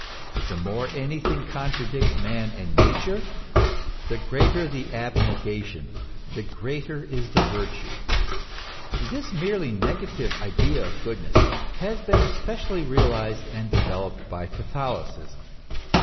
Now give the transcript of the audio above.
The more anything contradicts man and Nature, the greater the abnegation, the greater is the virtue. This merely negative idea of goodness has been especially realized and developed by Catholicism.